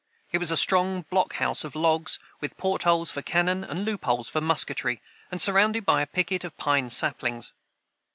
It was a strong blockhouse of logs, with portholes for cannon and loopholes for musketry, and surrounded by a picket of pine saplings.